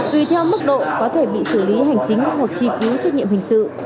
tùy theo mức độ có thể bị xử lý hành chính hoặc truy cứu trách nhiệm hình sự